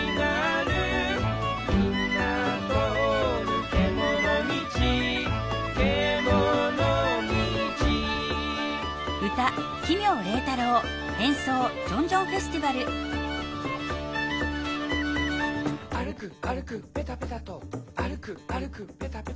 「みんなとおるけものみち」「けものみち」「あるくあるくぺたぺたと」「あるくあるくぺたぺたと」